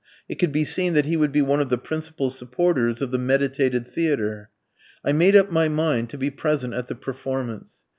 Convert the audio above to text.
It could be seen that he would be one of the principal supporters of the meditated theatre. I made up my mind to be present at the performance.